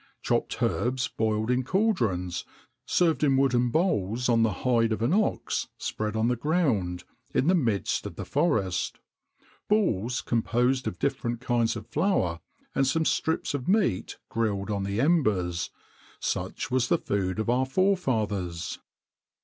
Chopped herbs boiled in cauldrons, served in wooden bowls on the hide of an ox, spread on the ground, in the midst of the forest; balls composed of different kinds of flour, and some strips of meat grilled on the embers such was the food of our forefathers.